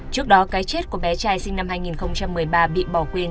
trước đó cái chết của bé trai sinh năm hai nghìn một mươi ba bị bỏ quên